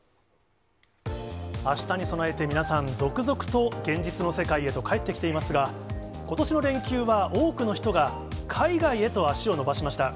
あしたに備えて、皆さん、続々と現実の世界へと帰ってきていますが、ことしの連休は、多くの人が、海外へと足を延ばしました。